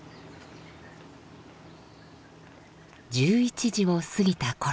１１時を過ぎたころ。